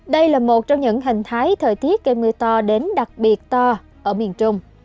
đây là một trong những hình thái thời tiết gây mưa to đến đặc biệt to ở miền trung